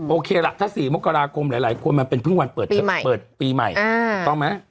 โอเคล่ะถ้า๔มกราคมหลายคนมันเป็นเพิ่งวันเปิดปีใหม่ต้องไหม